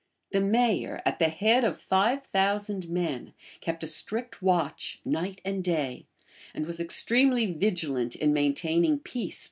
The mayor, at the head of five thousand men, kept a strict watch, night and day; and was extremely vigilant in maintaining peace between them.